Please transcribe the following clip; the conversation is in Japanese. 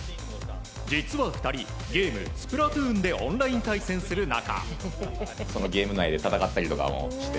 実は、２人ゲーム「スプラトゥーン」でオンライン対戦する仲。